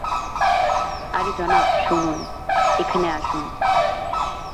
আরে জনাব শুনুন, এখানে আসুন।